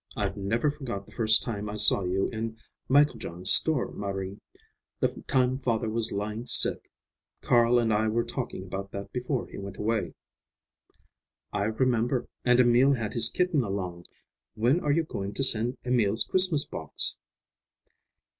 I've never forgot the first time I saw you in Mieklejohn's store, Marie, the time father was lying sick. Carl and I were talking about that before he went away." "I remember, and Emil had his kitten along. When are you going to send Emil's Christmas box?"